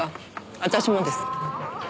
私もです。